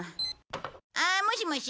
ああもしもし？